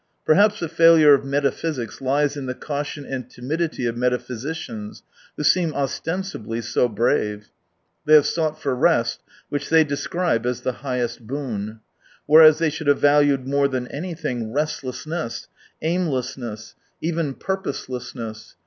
Perhaps the failure of metaphysics lies in the caution and timidity of metaphysicians, who seem ostensibly so brave. They have sought for rest — which they describe as the highest boon. Whereas they should have valued more than anything restlessness, aimlessness, even 143 purposelessness.